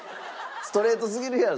ストレートすぎるやん。